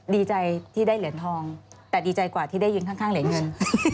ดีใจที่ได้เหรียญทองแต่ดีใจกว่าที่ได้ยินข้างเหรียญเงิน